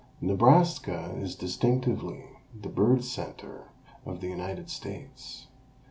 Nebraska is distinctively the bird center of the United States.